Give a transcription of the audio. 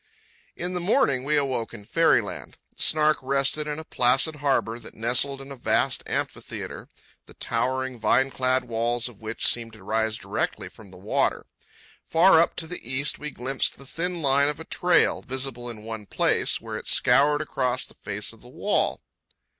In the morning we awoke in fairyland. The Snark rested in a placid harbour that nestled in a vast amphitheatre, the towering, vine clad walls of which seemed to rise directly from the water. Far up, to the east, we glimpsed the thin line of a trail, visible in one place, where it scoured across the face of the wall.